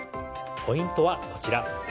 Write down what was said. ポイントはこちら。